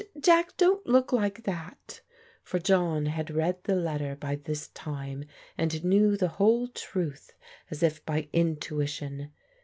Jack, don't look like that !" For John had read the letter by this time, and knew the whole truth as if by intuition.